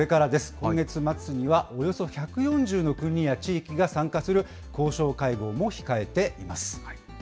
今月末には、およそ１４０の国や地域が参加する交渉会合も控えています。